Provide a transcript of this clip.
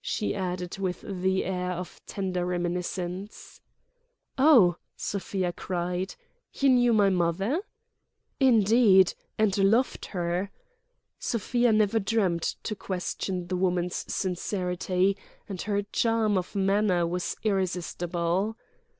she added with the air of tender reminiscence. "Oh!" Sofia cried, "you knew my mother?" "Indeed—and loved her." Sofia never dreamed to question the woman's sincerity; and her charm of manner was irresistible.